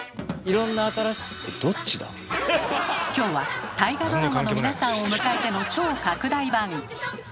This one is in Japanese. いろんな新しい今日は大河ドラマの皆さんを迎えての超拡大版！